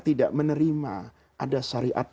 tidak menerima ada syariat